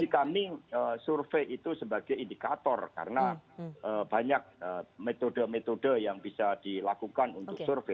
kami survei itu sebagai indikator karena banyak metode metode yang bisa dilakukan untuk survei